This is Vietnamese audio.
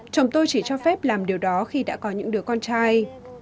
chồng tôi chỉ cho phép làm điều đó khi đã có những đứa con trai